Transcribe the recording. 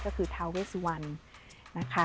ก็คือทาเวสวันนะคะ